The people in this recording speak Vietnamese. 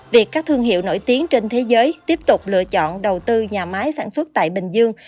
việc các thương hiệu nổi tiếng trên thế giới tiếp tục lựa chọn đầu tư nhà máy sản xuất tại bình dương